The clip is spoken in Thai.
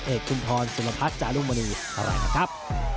เอกคุณทรสุนภัศจารุมณีอะไรนะครับ